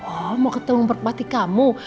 oh mau ketemu merpati kamu